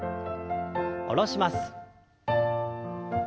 下ろします。